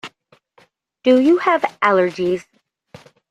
Do you have allergies?